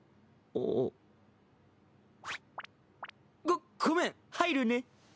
ごごめん入るね。